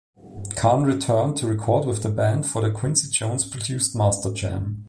Khan returned to record with the band for the Quincy Jones-produced "Masterjam".